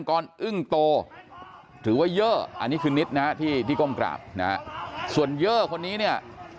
กรอึ้งโตถือว่าเยอะอันนี้คือนิดนะที่ก้มกราบส่วนเยอะคนนี้